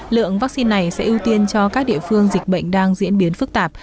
lượng vaccine này sẽ ưu tiên cho các địa phương dịch bệnh đang diễn biến phức tạp